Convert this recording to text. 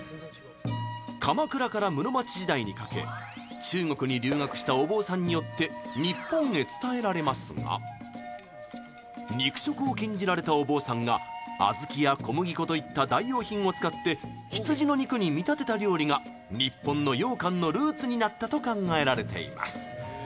鎌倉から室町時代にかけ中国に留学したお坊さんによって日本へ伝えられますが肉食を禁じられたお坊さんが小豆や小麦粉といった代用品を使って羊の肉に見立てた料理が日本の羊羹のルーツになったと考えられています。